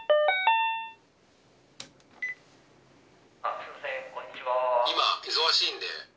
すいません、こんにちは。